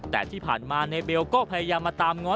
แต่ที่ผ่านมานายเบลก็พยายามมาตามง้อ